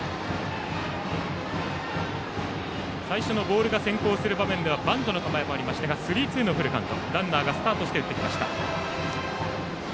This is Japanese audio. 最初のボールが先行する場面ではバントの構えもありましたがランナーがスタートして打ってきました。